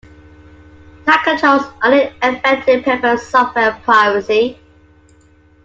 Tight controls are in effect to prevent software piracy.